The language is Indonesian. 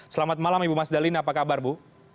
selamat malam ibu mas dalina apa kabar bu